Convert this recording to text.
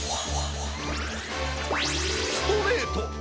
ストレート！